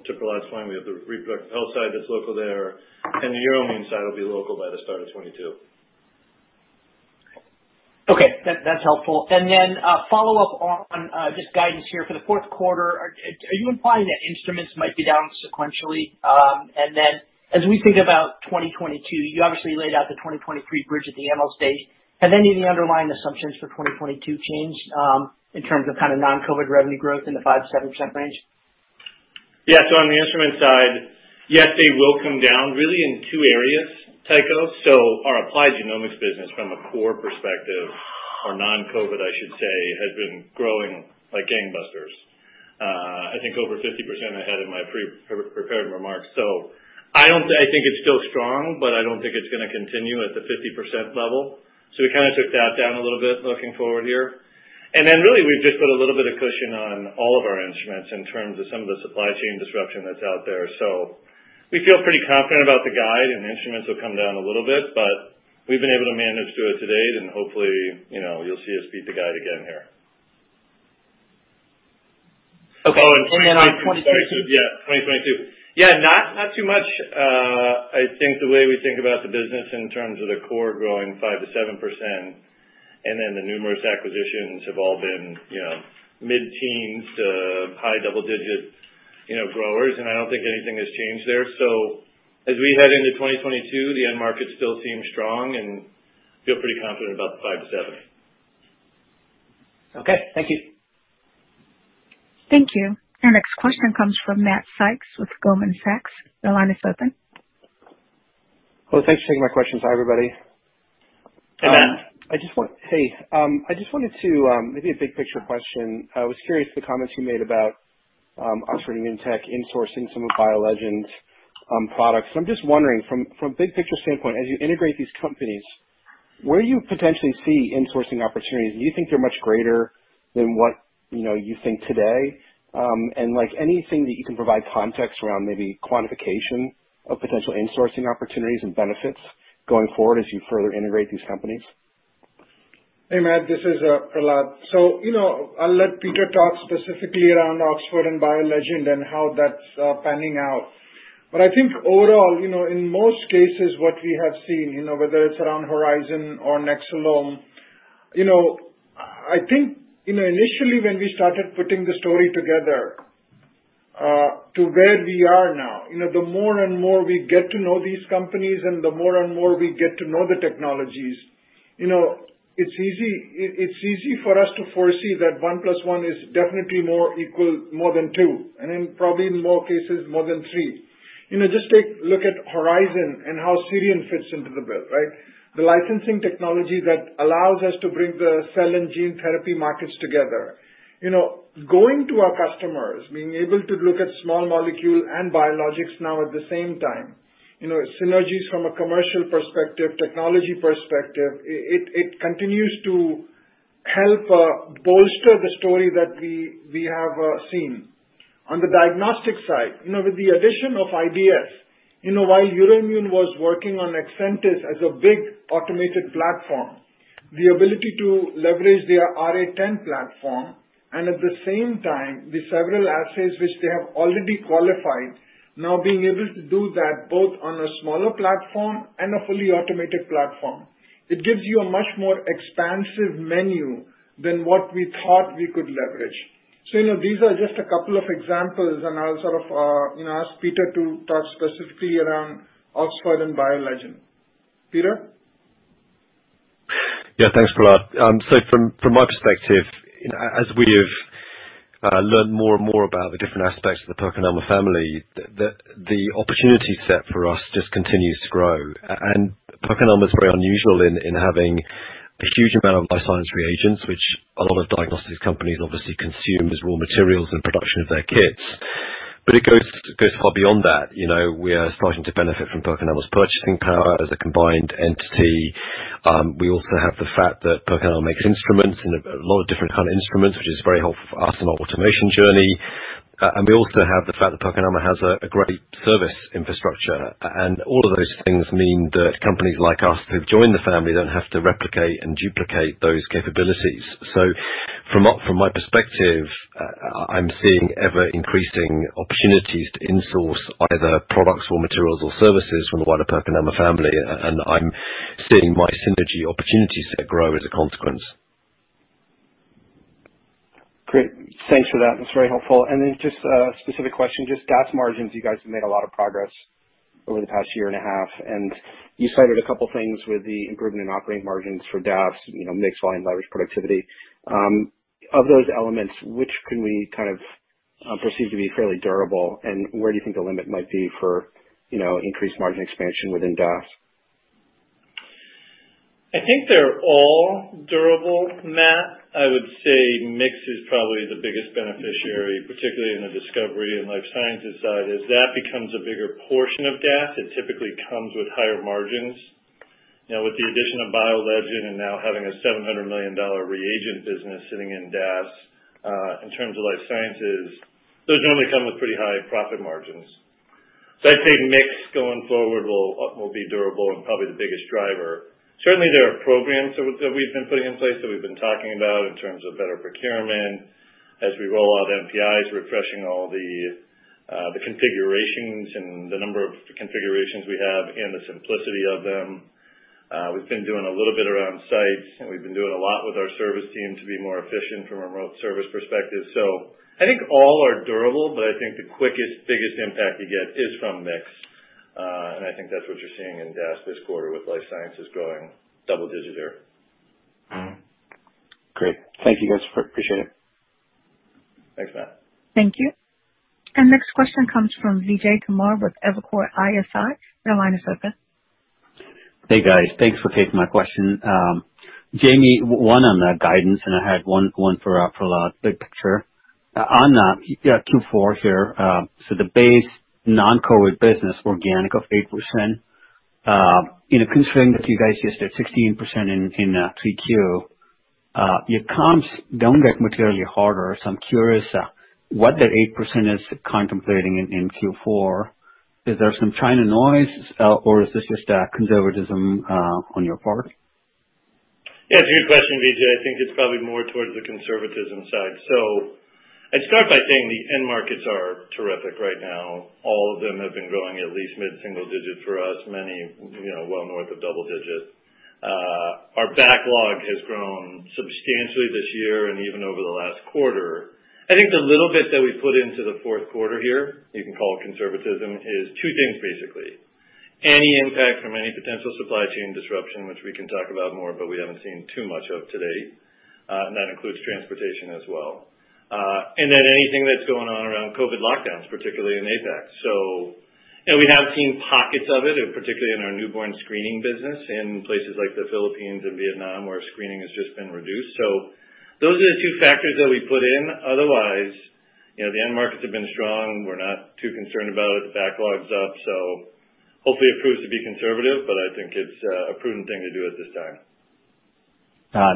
To Prahlad's point, we have the reproductive health side that's local there, and the EUROIMMUN side will be local by the start of 2022. Okay. That's helpful. Follow up on just guidance here for the 4th quarter. Are you implying that instruments might be down sequentially? As we think about 2022, you obviously laid out the 2023 bridge at the analyst day. Have any of the underlying assumptions for 2022 changed in terms of kind of non-COVID revenue growth in the 5%-7% range? Yeah. On the instrument side, yes, they will come down really in two areas, Tycho. Our Applied Genomics business from a core perspective or non-COVID, I should say, has been growing like gangbusters. I think over 50% I had in my prepared remarks. I think it's still strong, but I don't think it's gonna continue at the 50% level. We kind of took that down a little bit looking forward here. Then really we've just put a little bit of cushion on all of our instruments in terms of some of the supply chain disruption that's out there. We feel pretty confident about the guide, and instruments will come down a little bit, but we've been able to manage through it to date and hopefully, you know, you'll see us beat the guide again here. Okay. On 2022. Yeah, 2022. Yeah. Not too much. I think the way we think about the business in terms of the core growing 5%-7%, and then the numerous acquisitions have all been, you know, mid-teens to high double-digit, you know, growers, and I don't think anything has changed there. As we head into 2022, the end market still seems strong and I feel pretty confident about the 5%-7%. Okay. Thank you. Thank you. Our next question comes from Matt Sykes with Goldman Sachs. Your line is open. Well, thanks for taking my questions. Hi, everybody. Hey, Matt. I just wanted to maybe ask a big picture question. I was curious about the comments you made about Oxford Immunotec insourcing some of BioLegend products. I'm just wondering from a big picture standpoint, as you integrate these companies, where you potentially see insourcing opportunities, do you think they're much greater than what you know you think today? Like anything that you can provide context around maybe quantification of potential insourcing opportunities and benefits going forward as you further integrate these companies? Hey, Matt, this is Prahlad. You know, I'll let Peter talk specifically around Oxford and BioLegend and how that's panning out. I think overall, you know, in most cases, what we have seen, you know, whether it's around Horizon or Nexcelom, you know, I think, you know, initially when we started putting the story together to where we are now, you know, the more and more we get to know these companies and the more and more we get to know the technologies, you know, it's easy for us to foresee that 1 plus 1 is definitely equal to more than 2, and probably in more cases, more than 3. You know, just take a look at Horizon and how Sirion fits the bill. The licensing technology that allows us to bring the cell and gene therapy markets together. You know, going to our customers, being able to look at small molecule and biologics now at the same time, you know, synergies from a commercial perspective, technology perspective, it continues to help bolster the story that we have seen. On the diagnostic side, you know, with the addition of IDS, you know, while EUROIMMUN was working on iSYS as a big automated platform, the ability to leverage their i-10 platform and at the same time the several assays which they have already qualified, now being able to do that both on a smaller platform and a fully automated platform, it gives you a much more expansive menu than what we thought we could leverage. You know, these are just a couple of examples, and I'll sort of, you know, ask Peter to talk specifically around Oxford and BioLegend. Peter? Yeah. Thanks, Prahlad. From my perspective, you know, as we have learned more and more about the different aspects of the PerkinElmer family, the opportunity set for us just continues to grow. PerkinElmer is very unusual in having a huge amount of life science reagents, which a lot of diagnostic companies obviously consume as raw materials in production of their kits. But it goes far beyond that. You know, we are starting to benefit from PerkinElmer's purchasing power as a combined entity. We also have the fact that PerkinElmer makes instruments and a lot of different kind of instruments, which is very helpful for us in our automation journey. We also have the fact that PerkinElmer has a great service infrastructure. All of those things mean that companies like us who've joined the family don't have to replicate and duplicate those capabilities. From my perspective, I'm seeing ever-increasing opportunities to in-source either products or materials or services from the wider PerkinElmer family, and I'm seeing my synergy opportunities there grow as a consequence. Great. Thanks for that. That's very helpful. Just a specific question, just DAS margins, you guys have made a lot of progress over the past year and a half, and you cited a couple things with the improvement in operating margins for DAS, you know, mix line, leverage, productivity. Of those elements, which can we kind of perceive to be fairly durable, and where do you think the limit might be for, you know, increased margin expansion within DAS? I think they're all durable, Matt. I would say mix is probably the biggest beneficiary, particularly in the discovery and life sciences side. As that becomes a bigger portion of DAS, it typically comes with higher margins. You know, with the addition of BioLegend and now having a $700 million reagent business sitting in DAS, in terms of life sciences, those normally come with pretty high profit margins. So I'd say mix going forward will be durable and probably the biggest driver. Certainly, there are programs that we've been putting in place that we've been talking about in terms of better procurement. As we roll out NPIs, refreshing all the configurations and the number of configurations we have and the simplicity of them. We've been doing a little bit around sites, and we've been doing a lot with our service team to be more efficient from a remote service perspective. I think all are durable, but I think the quickest, biggest impact you get is from mix. I think that's what you're seeing in DAS this quarter with life sciences growing double-digit there. Mm-hmm. Great. Thank you, guys. Appreciate it. Thanks, Matt. Thank you. Next question comes from Vijay Kumar with Evercore ISI. Your line is open. Hey, guys. Thanks for taking my question. Jamey, one on the guidance, and I had one for Prahlad, big picture. On Q4 here. The base non-COVID business organic of 8%, you know, considering that you guys just did 16% in 3Q, your comps don't get materially harder. I'm curious, what that 8% is contemplating in Q4. Is there some China noise, or is this just conservatism on your part? Yeah, it's a good question, Vijay. I think it's probably more towards the conservatism side. I'd start by saying the end markets are terrific right now. All of them have been growing at least mid-single-digit for us, many, you know, well north of double-digit. Our backlog has grown substantially this year and even over the last quarter. I think the little bit that we put into the 4th quarter here, you can call it conservatism, is two things basically. Any impact from any potential supply chain disruption, which we can talk about more, but we haven't seen too much of to date. And that includes transportation as well. And then anything that's going on around COVID lockdowns, particularly in APAC. You know, we have seen pockets of it, and particularly in our newborn screening business in places like the Philippines and Vietnam, where screening has just been reduced. Those are the 2 factors that we put in. Otherwise, you know, the end markets have been strong. We're not too concerned about it. The backlog's up, so hopefully it proves to be conservative, but I think it's a prudent thing to do at this time.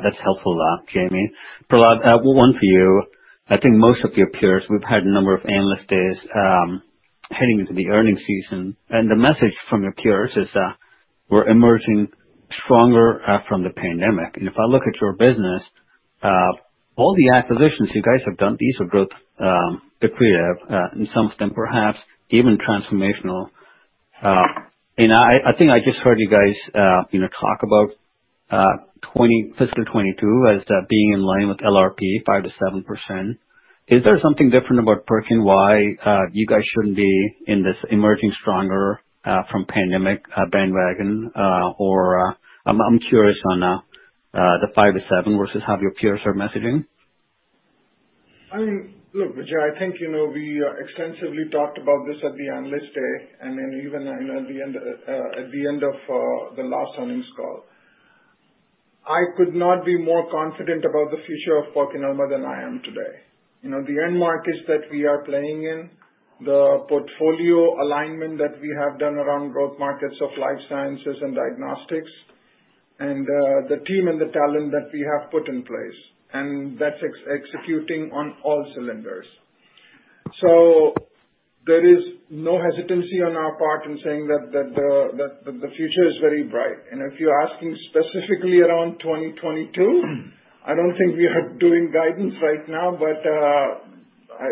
That's helpful, Jamey. Prahlad, one for you. I think most of your peers, we've had a number of analyst days, heading into the earnings season. The message from your peers is, we're emerging stronger, from the pandemic. If I look at your business, all the acquisitions you guys have done, these are growth, accretive, and some of them perhaps even transformational. I think I just heard you guys, you know, talk about fiscal 2022 as being in line with LRP, 5%-7%. Is there something different about PerkinElmer why you guys shouldn't be in this emerging stronger from pandemic bandwagon? Or, I'm curious on the 5%-7% versus how your peers are messaging. I mean, look, Vijay, I think, you know, we extensively talked about this at the analyst day, and then even at the end of the last earnings call. I could not be more confident about the future of PerkinElmer than I am today. You know, the end markets that we are playing in, the portfolio alignment that we have done around growth markets of life sciences and diagnostics, and the team and the talent that we have put in place, and that's executing on all cylinders. So there is no hesitancy on our part in saying that the future is very bright. If you're asking specifically around 2022, I don't think we are doing guidance right now, but I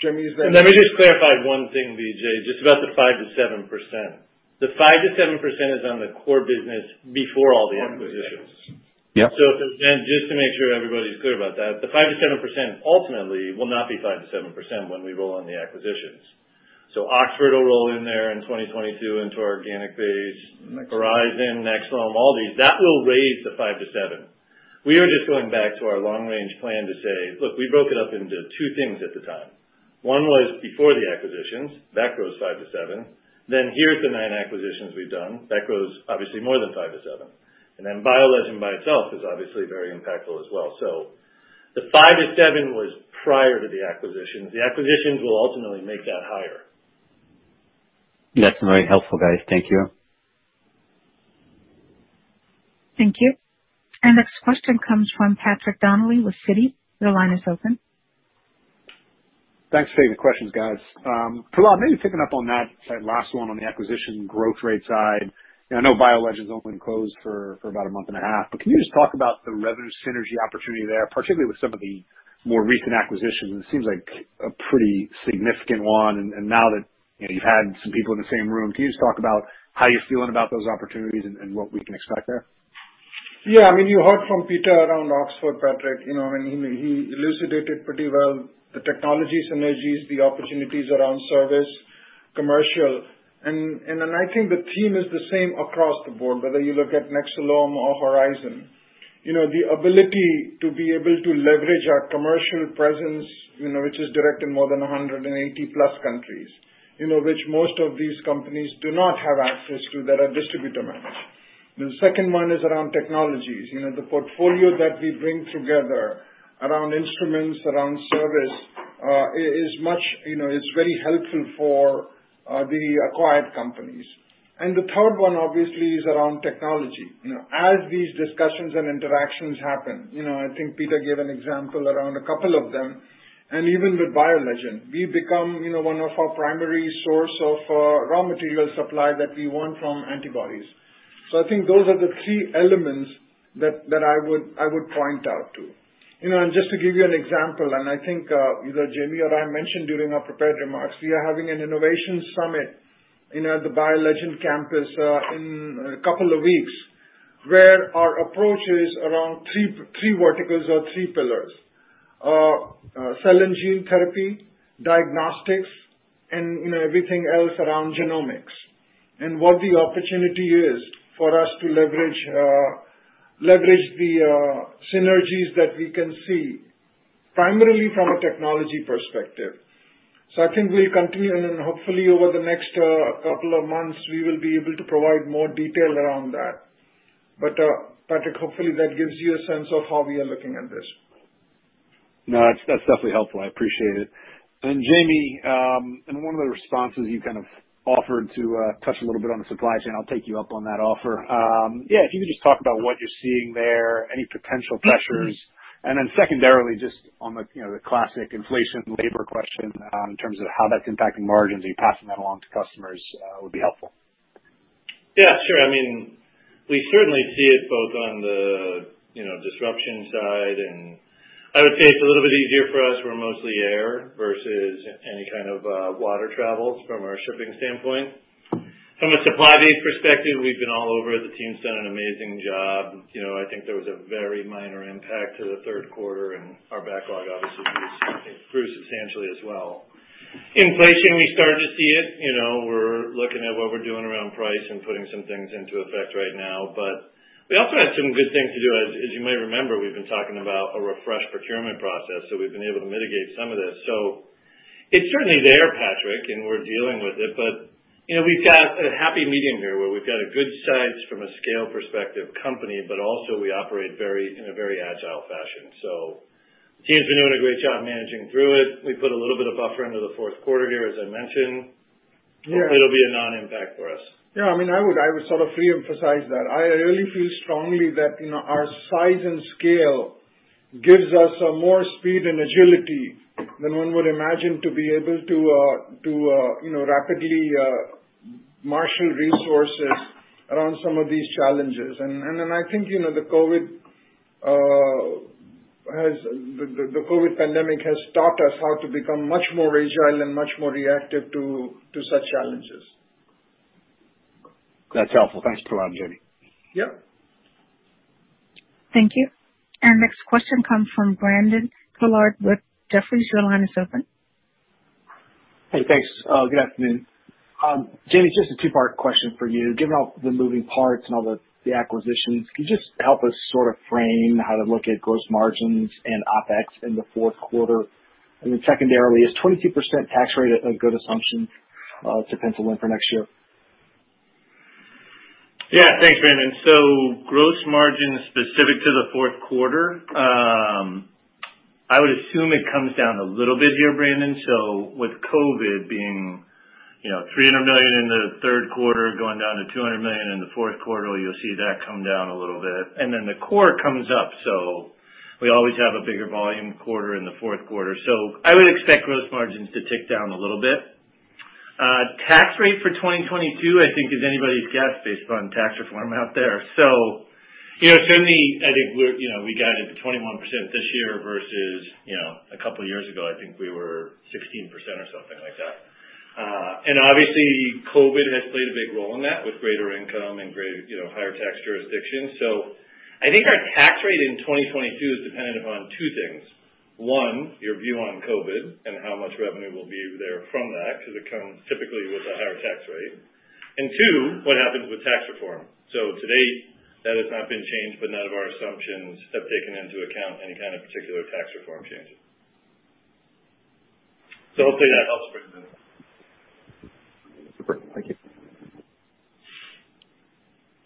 Jamey is very- Let me just clarify one thing, Vijay, just about the 5%-7%. The 5%-7% is on the core business before all the acquisitions. Yep. Just to make sure everybody's clear about that, the 5%-7% ultimately will not be 5%-7% when we roll in the acquisitions. Oxford will roll in there in 2022 into our organic base. Next year. Horizon Discovery, Nexcelom, all these, that will raise the 5%-7%. We are just going back to our long-range plan to say, "Look, we broke it up into two things at the time. One was before the acquisitions. That grows 5%-7%. Then here's the 9 acquisitions we've done. That grows obviously more than 5%-7%." BioLegend by itself is obviously very impactful as well. The 5%-7% was prior to the acquisitions. The acquisitions will ultimately make that higher. That's very helpful, guys. Thank you. Thank you. Our next question comes from Patrick Donnelly with Citi. Your line is open. Thanks for taking the questions, guys. Prahlad, maybe picking up on that last one on the acquisition growth rate side. You know, I know BioLegend's only been closed for about a month and a half, but can you just talk about the revenue synergy opportunity there, particularly with some of the more recent acquisitions? It seems like a pretty significant one. Now that, you know, you've had some people in the same room, can you just talk about how you're feeling about those opportunities and what we can expect there? Yeah. I mean, you heard from Peter around Oxford, Patrick. You know, I mean, he elucidated pretty well the technology synergies, the opportunities around service, commercial. Then I think the theme is the same across the board, whether you look at Nexcelom or Horizon. You know, the ability to be able to leverage our commercial presence, you know, which is direct in more than 100+ countries. You know, which most of these companies do not have access to that are distributor managed. The second one is around technologies. You know, the portfolio that we bring together around instruments, around service, is much. You know, it's very helpful for the acquired companies. The third one obviously is around technology. You know, as these discussions and interactions happen, you know, I think Peter gave an example around a couple of them, and even with BioLegend, we've become, you know, one of our primary source of raw material supply that we want from antibodies. I think those are the 3 elements that I would point out to. You know, just to give you an example, I think either Jamey or I mentioned during our prepared remarks, we are having an innovation summit in the BioLegend campus in a couple of weeks. Our approach is around 3 verticals or 3 pillars: cell and gene therapy, diagnostics, and everything else around genomics. What the opportunity is for us to leverage the synergies that we can see primarily from a technology perspective. I think we'll continue and then hopefully over the next couple of months, we will be able to provide more detail around that. Patrick, hopefully that gives you a sense of how we are looking at this. No, that's definitely helpful. I appreciate it. Jamey, in one of the responses you kind of offered to touch a little bit on the supply chain. I'll take you up on that offer. Yeah, if you could just talk about what you're seeing there, any potential pressures. Secondarily, just on the, you know, the classic inflation labor question, in terms of how that's impacting margins, are you passing that along to customers? That would be helpful. Yeah, sure. I mean, we certainly see it both on the, you know, disruption side and I would say it's a little bit easier for us. We're mostly air versus any kind of water travels from our shipping standpoint. From a supply base perspective, we've been all over. The team's done an amazing job. You know, I think there was a very minor impact to the 3rd quarter and our backlog obviously increased, improved substantially as well. Inflation, we start to see it. You know, we're looking at what we're doing around price and putting some things into effect right now. But we also have some good things to do. As you might remember, we've been talking about a refreshed procurement process, so we've been able to mitigate some of this. It's certainly there, Patrick, and we're dealing with it. You know, we've got a happy medium here, where we've got a good size from a scale perspective company, but also we operate in a very agile fashion. Team's been doing a great job managing through it. We put a little bit of buffer into the 4th quarter here, as I mentioned. Yeah. Hopefully, it'll be a non-impact for us. Yeah. I mean, I would sort of re-emphasize that. I really feel strongly that, you know, our size and scale gives us a more speed and agility than one would imagine to be able to rapidly marshal resources around some of these challenges. I think, you know, the COVID pandemic has taught us how to become much more agile and much more reactive to such challenges. That's helpful. Thanks, Prahlad and Jamey. Yep. Thank you. Our next question comes from Brandon Couillard with Jefferies. Your line is open. Hey, thanks. Good afternoon. Jamey, just a two-part question for you. Given all the moving parts and all the acquisitions, can you just help us sort of frame how to look at gross margins and OpEx in the 4th quarter? Secondarily, is 22% tax rate a good assumption to pencil in for next year? Yeah. Thanks, Brandon. Gross margin specific to the 4th quarter, I would assume it comes down a little bit here, Brandon. With COVID being, you know, $300 million in the 3rd quarter, going down to $200 million in the 4th quarter, you'll see that come down a little bit. The core comes up, so we always have a bigger volume quarter in the 4th quarter. I would expect gross margins to tick down a little bit. Tax rate for 2022, I think is anybody's guess based on tax reform out there. You know, certainly I think we're, you know, we guided for 21% this year versus, you know, a couple years ago, I think we were 16% or something like that. Obviously COVID has played a big role in that with greater income and greater, you know, higher tax jurisdiction. I think our tax rate in 2022 is dependent upon two things. One, your view on COVID and how much revenue will be there from that, 'cause it comes typically with a higher tax rate. Two, what happens with tax reform. To date, that has not been changed, but none of our assumptions have taken into account any kind of particular tax reform changes. Hopefully that helps, Brandon. Super. Thank you.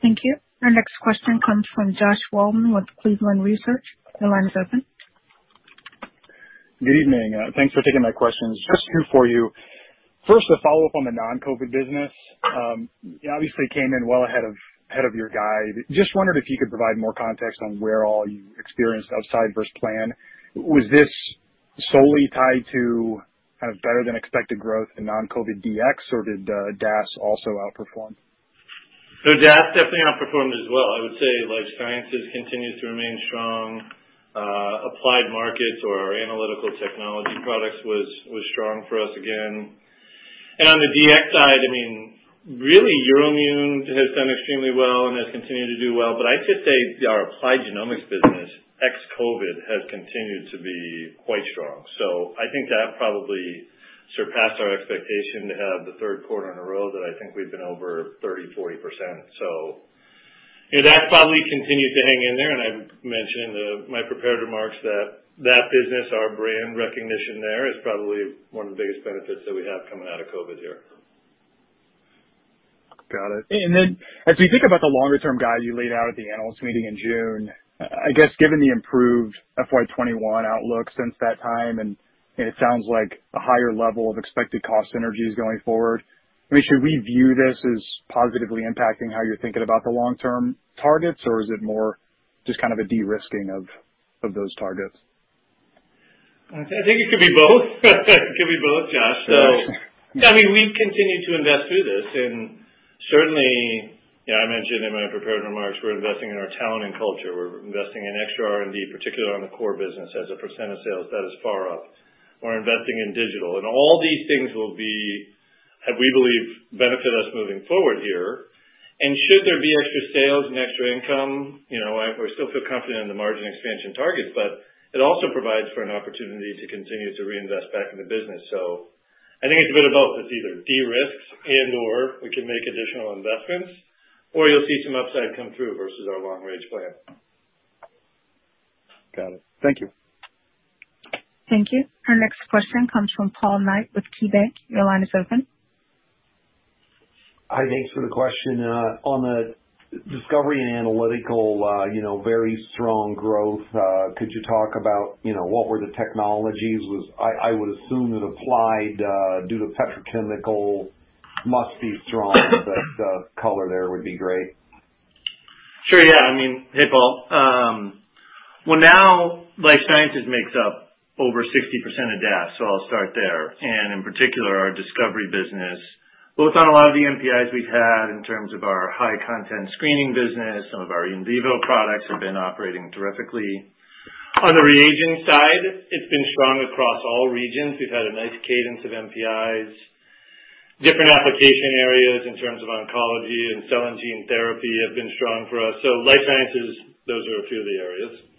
Thank you. Our next question comes from Joshua Waldman with Cleveland Research. Your line is open. Good evening. Thanks for taking my questions. Just two for you. First, a follow-up on the non-COVID business. You obviously came in well ahead of your guide. Just wondered if you could provide more context on where you experienced outperformance versus plan. Was this solely tied to a better than expected growth in non-COVID DX, or did DAS also outperform? DAS definitely outperformed as well. I would say life sciences continues to remain strong. Applied markets or our analytical technology products was strong for us again. On the DX side, I mean, really EUROIMMUN has done extremely well and has continued to do well. I'd just say our applied genomics business, ex-COVID, has continued to be quite strong. I think that probably surpassed our expectation to have the 3rd quarter in a row that I think we've been over 30%-40%. You know, that probably continued to hang in there. I mentioned my prepared remarks that that business, our brand recognition there is probably one of the biggest benefits that we have coming out of COVID here. Got it. Then as we think about the longer term guide you laid out at the analyst meeting in June, I guess given the improved FY 2021 outlook since that time, and it sounds like a higher level of expected cost synergies going forward, I mean, should we view this as positively impacting how you're thinking about the long term targets, or is it more just kind of a de-risking of those targets? I think it could be both. It could be both, Joshua. I mean, we've continued to invest through this and certainly, you know, I mentioned in my prepared remarks, we're investing in our talent and culture. We're investing in extra R&D, particularly on the core business as a percent of sales that is far up. We're investing in digital and all these things will, we believe, benefit us moving forward here. Should there be extra sales and extra income, you know, we still feel confident in the margin expansion targets, but it also provides for an opportunity to continue to reinvest back in the business. I think it's a bit of both. It's either de-risk and/or we can make additional investments or you'll see some upside come through versus our long range plan. Got it. Thank you. Thank you. Our next question comes from Paul Knight with KeyBanc Capital Markets. Your line is open. Hi, thanks for the question. On the Discovery and Analytical, you know, very strong growth. Could you talk about, you know, what were the technologies? I would assume that Applied due to petrochemical must be strong, but color there would be great. Sure, yeah. I mean, hey, Paul. Well now life sciences makes up over 60% of DAS, so I'll start there. In particular, our discovery business, both on a lot of the NPIs we've had in terms of our high content screening business, some of our in vivo products have been operating terrifically. On the reagent side, it's been strong across all regions. We've had a nice cadence of NPIs. Different application areas in terms of oncology and cell and gene therapy have been strong for us. Life sciences, those are a few of the areas.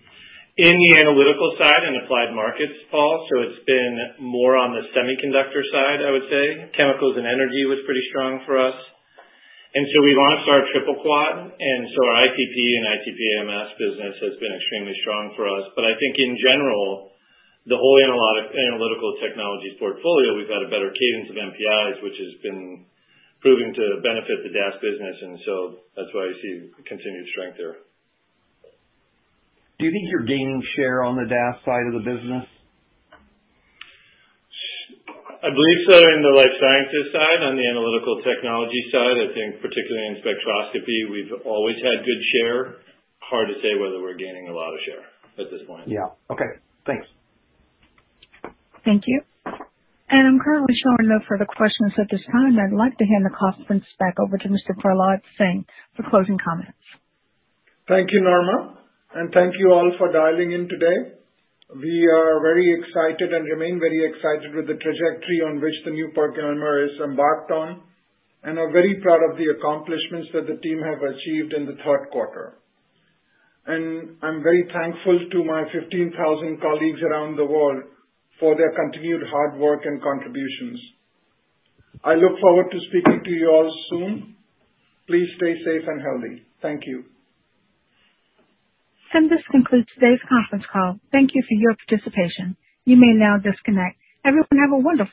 In the analytical side, in applied markets, Paul, it's been more on the semiconductor side, I would say. Chemicals and energy was pretty strong for us. We've launched our triple quad, and so our ICP and ICP-MS business has been extremely strong for us. I think in general, the whole analytical technologies portfolio, we've had a better cadence of NPIs, which has been proving to benefit the DAS business, and so that's why you see continued strength there. Do you think you're gaining share on the DAS side of the business? I believe so in the life sciences side. On the analytical technology side, I think particularly in spectroscopy, we've always had good share. Hard to say whether we're gaining a lot of share at this point. Yeah. Okay. Thanks. Thank you. I'm currently showing no further questions at this time. I'd like to hand the conference back over to Mr. Prahlad Singh for closing comments. Thank you, Lorna. Thank you all for dialing in today. We are very excited and remain very excited with the trajectory on which the new PerkinElmer has embarked on, and are very proud of the accomplishments that the team have achieved in the 3rd quarter. I'm very thankful to my 15,000 colleagues around the world for their continued hard work and contributions. I look forward to speaking to you all soon. Please stay safe and healthy. Thank you. This concludes today's conference call. Thank you for your participation. You may now disconnect. Everyone have a wonderful day.